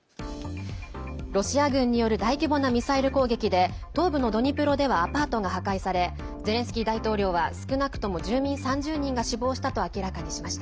ロシア軍による大規模なミサイル攻撃で東部のドニプロではアパートが破壊されゼレンスキー大統領は少なくとも住民３０人が死亡したと明らかにしました。